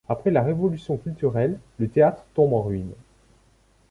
Après la Révolution culturelle, le théâtre tombe en ruine.